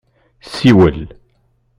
Siwel!